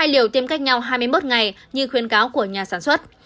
hai liều tiêm cách nhau hai mươi một ngày như khuyến cáo của nhà sản xuất